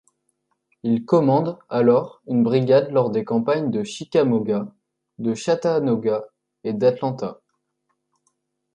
Il commande alors une brigade lors des campagnes de Chickamauga, de Chattanooga et d'Atlanta.